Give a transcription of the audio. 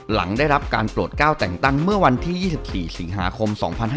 หลังได้รับการโปรดก้าวแต่งตั้งเมื่อวันที่๒๔สิงหาคม๒๕๕๙